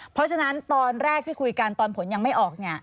เพราะฉะนั้นตอนแรกที่คุยกันตอนผลยังไม่ออกเนี่ย